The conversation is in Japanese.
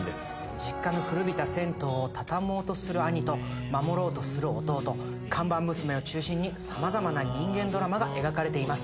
実家の古びた銭湯を畳もうとする兄と守ろうとする弟看板娘を中心に様々な人間ドラマが描かれています。